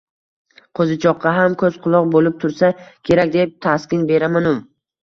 qo‘zichoqqa ham ko‘z-quloq bo‘lib tursa kerak», deb taskin beraman-u